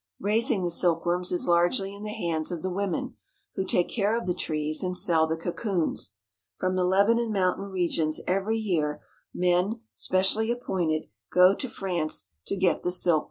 Raising the silkworms is largely in the hands of the women, who take care of the trees and sell the cocoons. From the Lebanon mountain regions every year men, spe cially appointed, go to France to get the silkworm eggs.